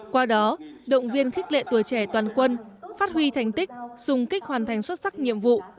qua đó động viên khích lệ tuổi trẻ toàn quân phát huy thành tích dùng kích hoàn thành xuất sắc nhiệm vụ